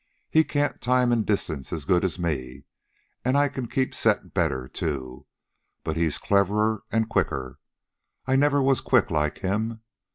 He can't time an' distance as good as me, an' I can keep set better, too. But he's cleverer an' quicker. I never was quick like him.